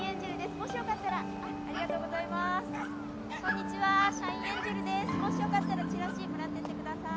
もしよかったらチラシもらってってください。